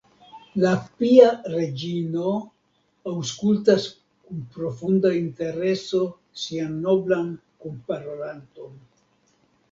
La pia reĝino aŭskultas kun profunda intereso sian noblan kunparolanton.